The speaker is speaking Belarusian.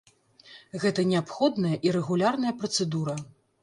Гэта неабходная і рэгулярная працэдура.